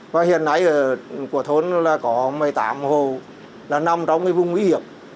và hiện nay của thôn là có một mươi tám hồ là nằm trong cái vùng nguy hiểm